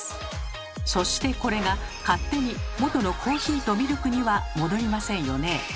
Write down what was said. そしてこれが勝手に元のコーヒーとミルクには戻りませんよね。